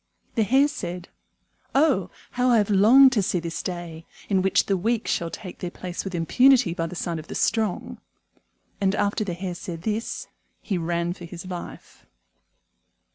The Hare said, "Oh, how I have longed to see this day, in which the weak shall take their place with impunity by the side of the strong." And after the Hare said this, he ran for his life.